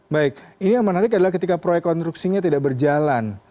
baik ini yang menarik adalah ketika proyek konstruksinya tidak berjalan